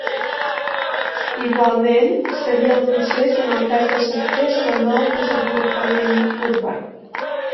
Igualment seria el procés en el cas de sectors de nou desenvolupament urbà.